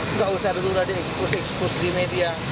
enggak usah dulu dulu di eksklus eksklus di media